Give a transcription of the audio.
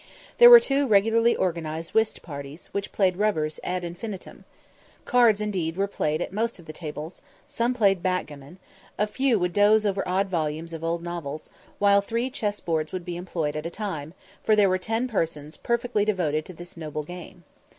There were two regularly organised whist parties, which played rubbers ad infinitum. Cards indeed were played at most of the tables some played backgammon a few would doze over odd volumes of old novels while three chess boards would be employed at a time, for there were ten persons perfectly devoted to this noble game.